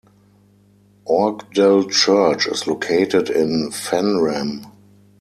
Orkdal Church is located in Fannrem.